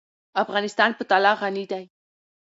افغانستان په طلا غني دی.